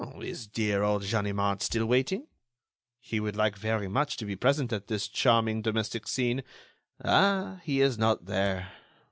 "Is dear old Ganimard still waiting?... He would like very much to be present at this charming domestic scene!... Ah! he is not there....